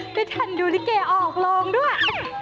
ได้ทันดูลิเกออกโรงด้วย